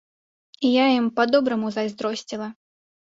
І я ім па-добраму зайздросціла.